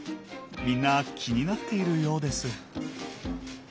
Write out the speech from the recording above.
みんな気になっているようです。